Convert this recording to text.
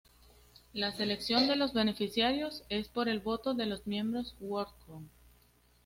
La selección de los beneficiarios es por el voto de los miembros Worldcon.